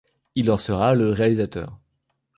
Il en sera le réalisateur.